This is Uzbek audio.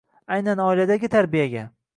Aynan oiladagi tarbiyaga.